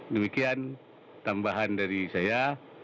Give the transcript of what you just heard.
demikian tambahan dari saya